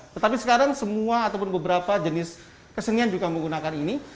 tetapi sekarang semua ataupun beberapa jenis kesenian juga menggunakan ini